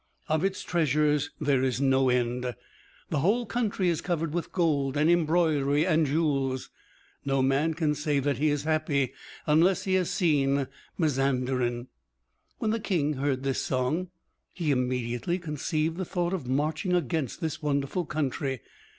Of its treasures there is no end; the whole country is covered with gold and embroidery and jewels. No man can say that he is happy unless he has seen Mazanderan." When the King heard this song, he immediately conceived the thought of marching against this wonderful country.